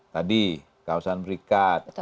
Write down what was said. tadi kawasan berikat